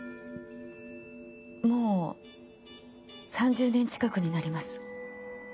もう３０年近くになります。